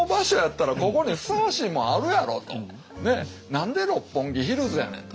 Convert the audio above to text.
何で「六本木ヒルズ」やねんと。